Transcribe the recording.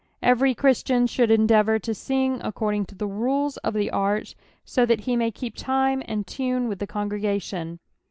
Every Christian should endeavour to sing according to the rules of the art. so that he nuiy keep time and tune with the congregation.